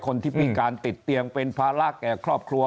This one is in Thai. คนที่พิการติดเตียงเป็นภาระแก่ครอบครัว